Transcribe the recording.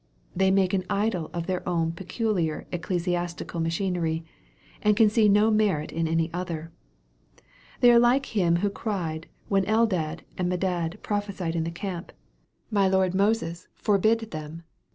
They make an idol of their own peculiar ecclesi astical machinery, and can see no merit in any other. They are like him who cried when Eldad and Medad prophesied in the camp, "My Lord Moses forbid them."